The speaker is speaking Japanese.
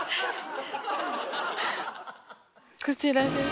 こちらです。